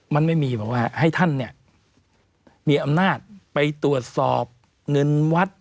มันไม่มีบอกว่าให้ท่านเนี่ยมีอำนาจไปตรวจสอบเงินวัด